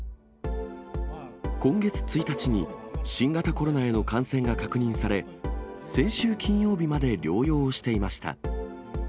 今月１日に、新型コロナへの感染が確認され、先週金曜日まで療養していました。